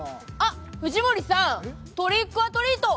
藤森さん、トリックアトリート！